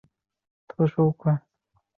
他被任为虎牙将军。